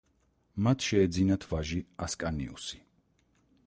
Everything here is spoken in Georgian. მათ შეეძინათ ვაჟი ასკანიუსი.